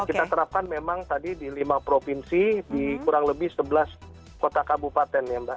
kita terapkan memang tadi di lima provinsi di kurang lebih sebelas kota kabupaten ya mbak